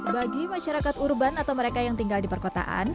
bagi masyarakat urban atau mereka yang tinggal di perkotaan